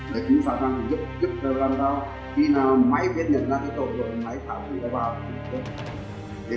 đấy chúng ta đang giúp giúp cho làm sao khi nào may phép nhận ra cái tổ rồi may tháo thì nó vào thì tốt